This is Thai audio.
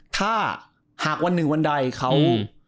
ถ้าหากวันหนึ่งวันใดเขา